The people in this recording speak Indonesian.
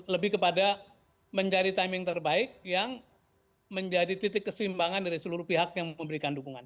lebih kepada mencari timing terbaik yang menjadi titik kesimbangan dari seluruh pihak yang memberikan dukungan